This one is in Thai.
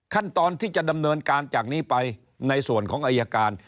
ขั้นตอนที่จะดำเนินการจากนี้ไปในส่วนของอายการ